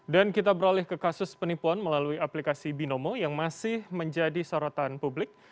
dan kita beralih ke kasus penipuan melalui aplikasi binomo yang masih menjadi sorotan publik